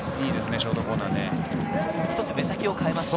ショートコーナーいいですね。